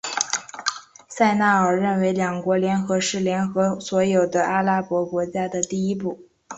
纳赛尔认为两国联合是联合所有阿拉伯国家的第一步。